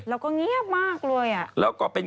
เราก็เงียบมากเลย